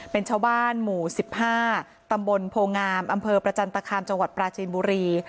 เป็นชาวบ้านหมู่๑๕ตำบลโพงามอำเภอประจันตคามจังหวัดปราจีนบุรี